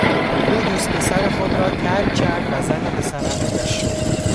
او دوست پسر خود را ترک کرد و زن پسر عمویش شد.